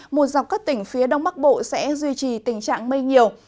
một dọc các tỉnh phía đông bắc bộ sẽ duy trì tình trạng mây nhiều